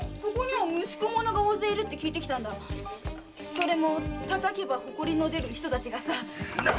それも叩けば埃の出る人たちがさ。